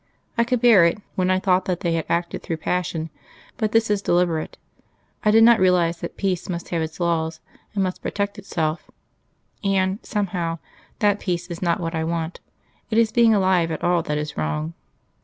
I could bear it, when I thought that they had acted through passion, but this is deliberate. I did not realise that Peace must have its laws, and must protect itself. And, somehow, that Peace is not what I want. It is being alive at all that is wrong.